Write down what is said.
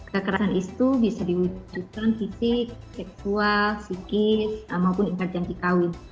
kekerasan itu bisa diwujudkan fisik seksual psikis maupun interjanjikawin